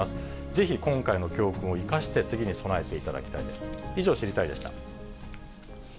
ぜひ今回の教訓を生かして、次に備えていただきたいです。